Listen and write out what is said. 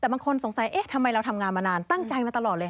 แต่บางคนสงสัยเอ๊ะทำไมเราทำงานมานานตั้งใจมาตลอดเลย